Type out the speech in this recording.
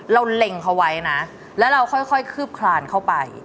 เล็งเขาไว้นะแล้วเราค่อยคืบคลานเข้าไป